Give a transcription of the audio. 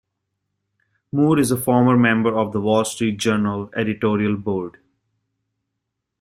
Moore is a former member of the "Wall Street Journal" editorial board.